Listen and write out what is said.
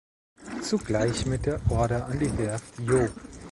Zugleich mit der Order an die Werft Joh.